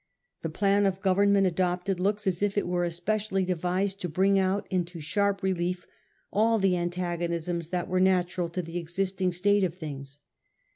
The plan of government adopted looks as if it were especially devised to bring out into sharp relief all the antagonisms that were natural to the existing state of things.